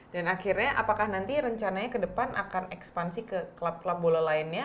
dan akhirnya apakah rencananya ke depan akan ekspansi ke klub klub bola lainnya